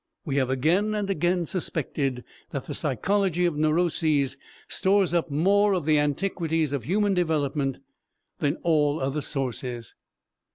We have again and again suspected that the psychology of neuroses stores up more of the antiquities of human development than all other sources.